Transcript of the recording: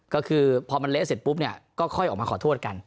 ก็คือพอมันเละเสร็จปุ๊บเนี่ยก็ค่อยออกมาขอโทษกัน